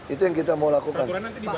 itu yang kita mau lakukan